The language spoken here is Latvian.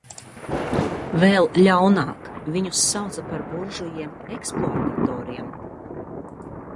Vēl ļaunāk, viņus sauca par buržujiem, ekspluatatoriem.